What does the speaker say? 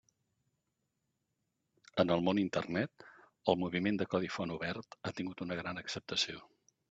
En el món Internet, el moviment de codi font obert ha tingut una gran acceptació.